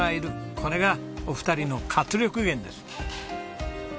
これがお二人の活力源です。